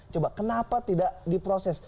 coba kenapa tidak diproses